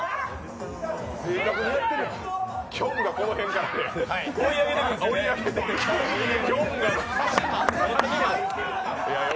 きょんがこの辺から追いあげてくるんですよ。